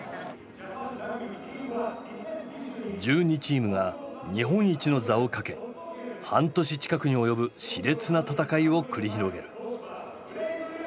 １２チームが日本一の座をかけ半年近くに及ぶしれつな戦いを繰り広げる。